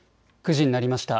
９時になりました。